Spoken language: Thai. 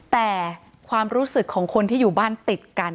แต่ความรู้สึกของคนที่อยู่บ้านติดกัน